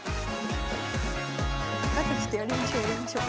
あとちょっとやりましょうやりましょう。